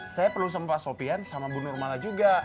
saya perlu sama pak sofian sama bu nurmala juga